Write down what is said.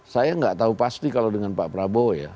saya nggak tahu pasti kalau dengan pak prabowo ya